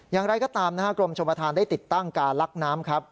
อย่างไรก็ตามนะฮะกรมชมประธานได้ติดตั้งการลักน้ำครับ